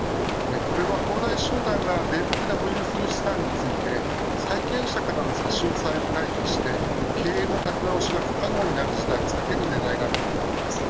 これは恒大集団が米国で保有する資産について債権者からの差し押さえを回避して経営の建て直しが不可能になる事態を避ける狙いがあると思われます。